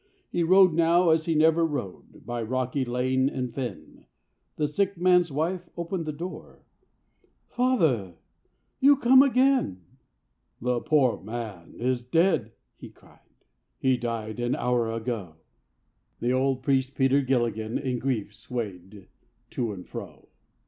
He rode now as he never rode, By rocky lane and fen; The sick man's wife opened the door: "Father! you come again!" "And is the poor man dead?" he cried, "He died an hour ago," The old priest Peter Gilligan In grief swayed to and fro.